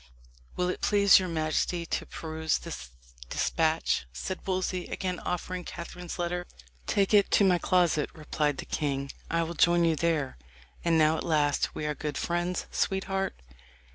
"Will it please your majesty to peruse this despatch?" said Wolsey, again offering Catherine's letter. "Take it to my closet," replied the king; "I will join you there. And now at last we are good friends, sweetheart."